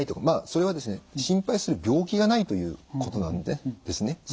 まあそれはですね心配する病気がないということなんですね。